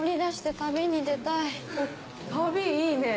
旅いいね！